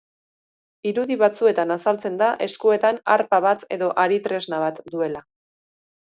Irudi batzuetan azaltzan da eskuetan arpa bat edo ari-tresna bat duela.